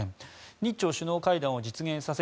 日朝首脳会談を実現させ